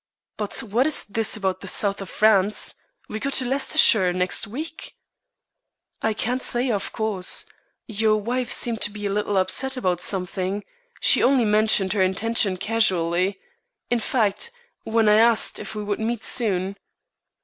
But what is this about the South of France? We go to Leicestershire next week." "I can't say, of course. Your wife seemed to be a little upset about something. She only mentioned her intention casually in fact, when I asked if we would meet soon."